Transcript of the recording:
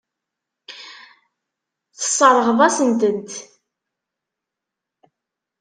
Tesseṛɣeḍ-asent-t.